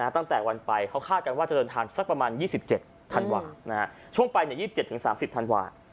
ตั้งแต่วันไปเขาคาดกันว่าจะเดินทางสักประมาณ๒๗ธันวาคมช่วงไป๒๗๓๐ธันวา